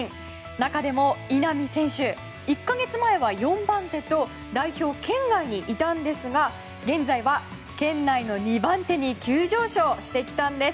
中でも稲見選手１か月前は４番手と代表圏外にいたんですが現在は圏内の２番手に急上昇してきたんです。